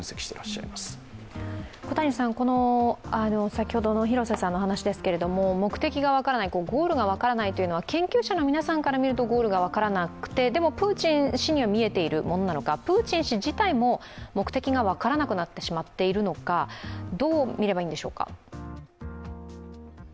先ほどの話ですが目的が分からない、ゴールが分からないというのは、研究者の皆さんから見るとゴールが分からなくて、でもプーチン氏には見えているものなのかプーチン氏自体も目的が分からなくなってしまっているのか、どう見ればいいんでしょうか。